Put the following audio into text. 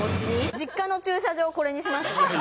実家の駐車場、これにします。